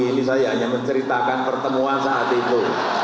ini saya hanya menceritakan pertemuan saat itu